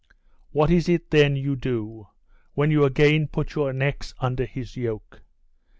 What is it then you do, when you again put your necks under his yoke?